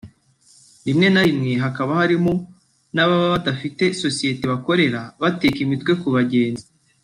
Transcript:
rimwe na rimwe hakaba harimo n’ababa badafite sosiyete bakorera bateka imitwe ku bagenzi